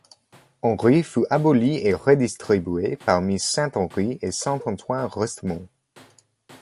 Henry fut abolie et redistribuée parmi St-Henri et Saint-Antoine—Westmount.